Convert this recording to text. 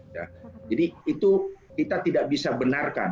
jadi itu kita tidak bisa benarkan